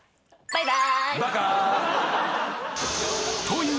はい。